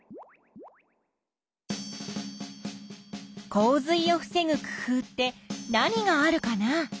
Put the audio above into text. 洪水を防ぐ工夫って何があるかな？